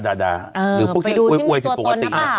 ไปดูที่มีตัวตนนะเปล่า